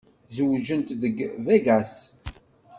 Zewǧent deg Vegas.